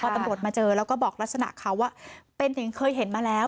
ตำรวจมาเจอแล้วก็บอกลักษณะเขาว่าเป็นถึงเคยเห็นมาแล้ว